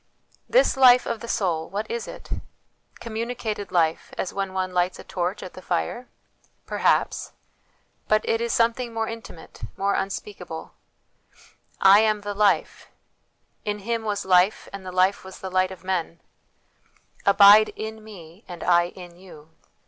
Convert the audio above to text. This life of the soul, what is it? Communicated life, as when one lights a torch at the fire ? Perhaps ; but it is some thing more intimate, more unspeakable :" I am the Life" ;" In Him was life, and the life was the light of men ";" Abide in Me and I in you."